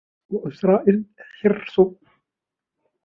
وَأُسَرَاءِ الْحِرْصِ